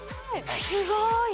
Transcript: すごい